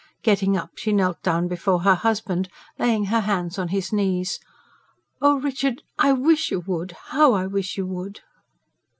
Getting up, she knelt down before her husband, laying her hands on his knees. "Oh, Richard, I wish you would HOW I wish you would!"